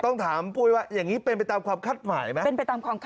ต้องถามปุ้ยว่าอย่างนี้เป็นไปตามความคาดหมายไหม